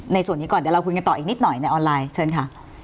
ส่วนนี้ก่อนเดี๋ยวเราคุยกันต่ออีกนิดหน่อยในออนไลน์เชิญค่ะ